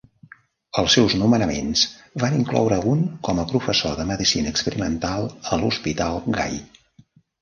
Els seus nomenaments van incloure un com a Professor de Medicina Experimental a l'Hospital Guy.